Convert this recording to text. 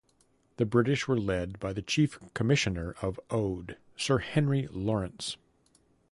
The British were led by The Chief Commissioner of Oude, Sir Henry Lawrence.